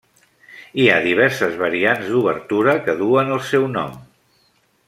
Hi ha diverses variants d'obertura que duen el seu nom.